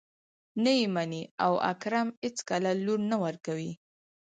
نه يې مني او اکرم اېڅکله لور نه ورکوي.